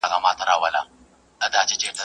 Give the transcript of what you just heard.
گوز په ټوخي نه تېرېږي.